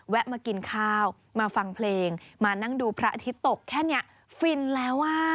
มากินข้าวมาฟังเพลงมานั่งดูพระอาทิตย์ตกแค่นี้ฟินแล้วอ่ะ